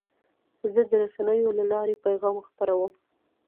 زه د رسنیو له لارې پیغام خپروم.